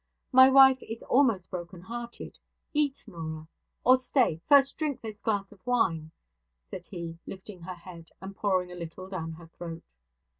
My wife is almost broken hearted. Eat, Norah or, stay, first drink this glass of wine,' said he, lifting her head, and pouring a little down her throat.